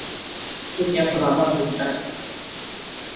তুমি এখন আমার দুনিয়ায়।